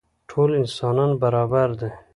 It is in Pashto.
ټول انسانان برابر دي.